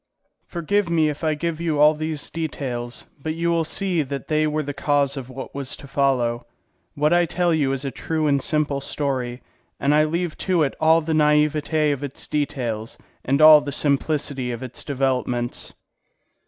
Forgive me if I give you all these details, but you will see that they were the cause of what was to follow. What I tell you is a true and simple story, and I leave to it all the naivete of its details and all the simplicity of its developments.